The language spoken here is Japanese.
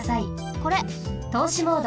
これ！とうしモード。